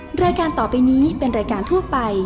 รายการต่อไปนี้เป็นรายการทั่วไป